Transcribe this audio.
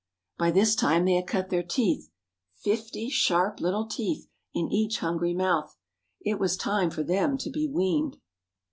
By this time they had cut their teeth,—fifty sharp little teeth in each hungry mouth. It was time for them to be weaned.